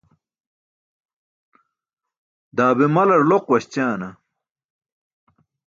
Daa be malar loq waśćaana?